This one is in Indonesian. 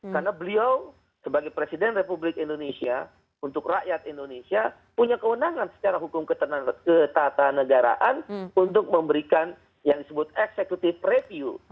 karena beliau sebagai presiden republik indonesia untuk rakyat indonesia punya kewenangan secara hukum ketata negaraan untuk memberikan yang disebut executive review